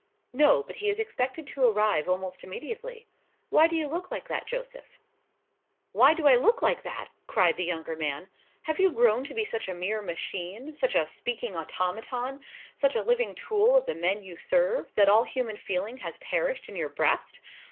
"No; but he is expected to arrive almost immediately. Why do you look like that, Joseph?" "Why do I look like that?" cried the younger man; "have you grown to be such a mere machine, such a speaking automaton, such a living tool of the men you serve, that all human feeling has perished in your breast?